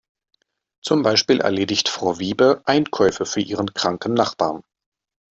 Zum Beispiel erledigt Frau Wiebe Einkäufe für ihren kranken Nachbarn.